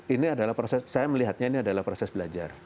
ini adalah proses saya melihatnya ini adalah proses belajar